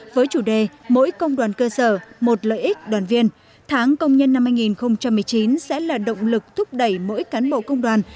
với chủ đề mỗi công đoàn cơ sở một lợi ích đoàn viên tháng công nhân năm hai nghìn một mươi chín sẽ là động lực thúc đẩy mỗi cán bộ công đoàn